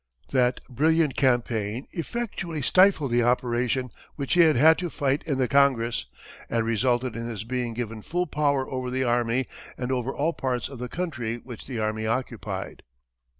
That brilliant campaign effectually stifled the opposition which he had had to fight in the Congress, and resulted in his being given full power over the army, and over all parts of the country which the army occupied.